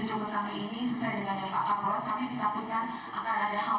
atau kesehatan daripada anak yang diberi obat penenang